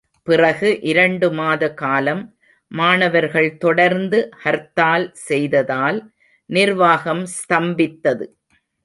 பிறகு இரண்டு மாத காலம், மாணவர்கள் தொடர்ந்து ஹர்த்தால் செய்ததால் நிர்வாகம் ஸ்தம்பித்தது.